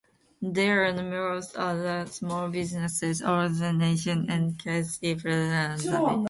There are numerous other small businesses, organisations and charities present in the village.